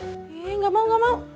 eh gak mau gak mau